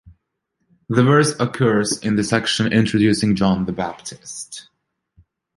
The verse occurs in the section introducing John the Baptist.